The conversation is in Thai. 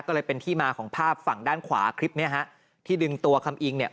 ก็เลยเป็นที่มาของภาพฝั่งด้านขวาคลิปเนี้ยฮะที่ดึงตัวคำอิงเนี่ย